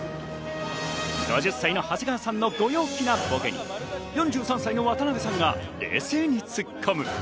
５０歳の長谷川さんの陽気なボケに４３歳の渡辺さんが冷静にツッコむ。